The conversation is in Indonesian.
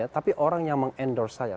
tapi orang yang meng endorse saya